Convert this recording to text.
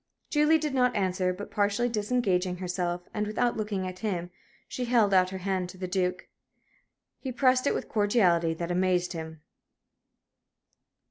Julie did not answer, but, partially disengaging herself, and without looking at him, she held out her hand to the Duke. He pressed it with a cordiality that amazed him.